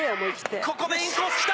「ここでインコースきた！